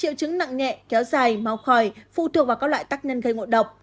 triệu chứng nặng nhẹ kéo dài máu khỏi phụ thuộc vào các loại tắc nhân gây ngộ độc